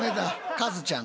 カズちゃん。